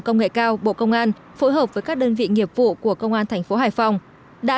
công nghệ cao bộ công an phối hợp với các đơn vị nghiệp vụ của công an thành phố hải phòng đã